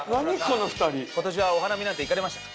今年はお花見なんて行かれました？